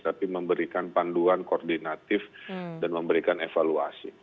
tapi memberikan panduan koordinatif dan memberikan evaluasi